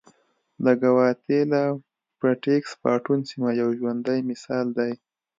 د ګواتیلا پټېکس باټون سیمه یو ژوندی مثال دی.